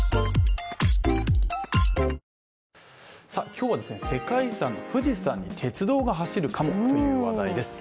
今日は、世界遺産・富士山に鉄道が走るかもという話題です。